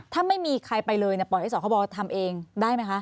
ถ้าไม่มีใครไปเลยปล่อยให้สคบทำเองได้ไหมคะ